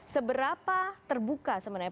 seberapa terbuka sebenarnya